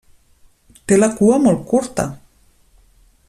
Té la cua molt curta.